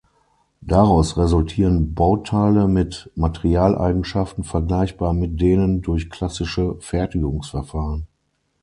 Daraus resultieren Bauteile mit Materialeigenschaften vergleichbar mit denen durch klassische Fertigungsverfahren.